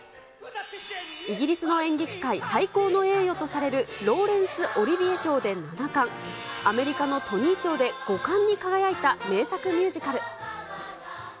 イギリスの演劇界最高の栄誉とされる、ローレンス・賞で７冠、アメリカのトニー賞で５冠に輝いた名作ミュージカル。